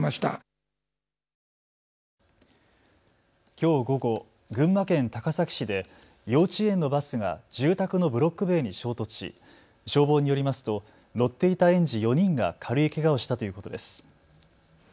きょう午後、群馬県高崎市で幼稚園のバスが住宅のブロック塀に衝突し消防によりますと乗っていた園児４人が軽いけがをしたということです。